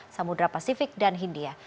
samudera pasifik dan hindia